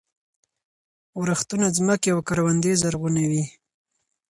ورښتونه ځمکې او کروندې زرغونوي.